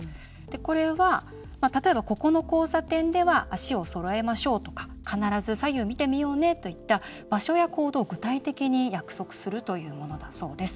これは、ここの交差点では足をそろえましょうとか必ず左右見てみようねといった場所や行動を具体的に約束するというものだそうです。